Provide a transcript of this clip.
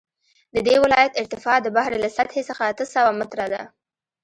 د دې ولایت ارتفاع د بحر له سطحې څخه اته سوه متره ده